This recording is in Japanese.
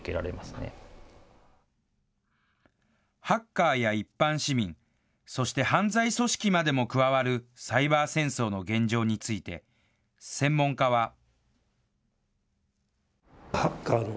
ハッカーや一般市民、そして犯罪組織までも加わるサイバー戦争の現状について、専門家は。